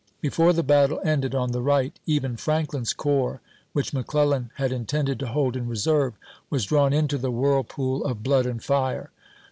Before the battle ended on the right, even Franklin's corps, which McClellan had intended to hold in reserve, was drawn into the whirlpool of blood and fire.